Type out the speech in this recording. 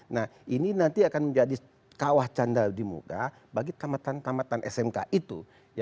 nah ini nanti akan menjadi kawah candal di muka bagi tamatan tamatan smk itu